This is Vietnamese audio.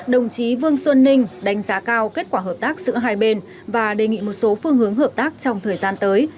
đồng chí vương xuân ninh đánh giá cao kết quả hợp tác giữa hai bên và đề nghị một số phương hướng hợp tác trong thời gian tới